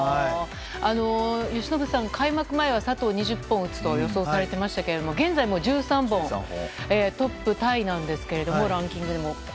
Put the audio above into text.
由伸さん、開幕前は佐藤２０本打つと予想されていましたけれども現在も１３本トップタイなんですけどランキングでも。